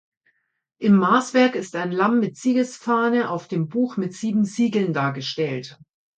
Im Maßwerk ist ein Lamm mit Siegesfahne auf dem Buch mit sieben Siegeln dargestellt.